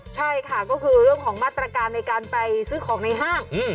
ใช่ค่ะก็คือเรื่องของมาตรการในการไปซื้อของในห้าง